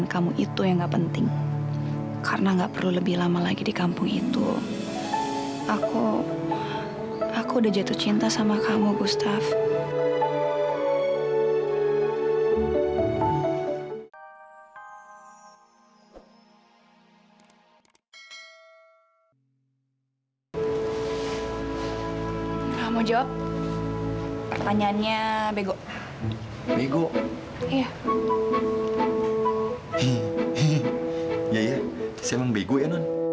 sampai jumpa di video selanjutnya